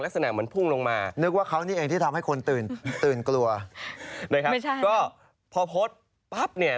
ลักษณะเหมือนพุ่งลงมา